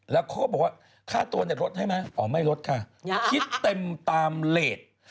แล้วเขาก็บอกว่าค่าตัวเนี่ยลดให้ไหมอ๋อไม่ลดค่ะคิดเต็มตามเลส